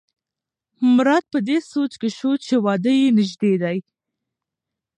مراد په دې سوچ کې شو چې واده یې نژدې دی.